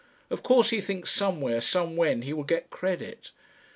Of course he thinks somewhere, somewhen, he will get credit.